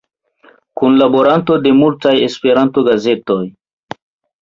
Kunlaboranto de multaj Esperanto-gazetoj.